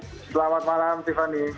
selamat malam tiffany